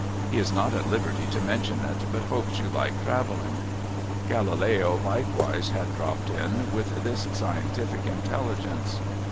He is not at liberty to mention it, but hopes you like travelling.' Galileo likewise had dropped in, with this scientific intelligence.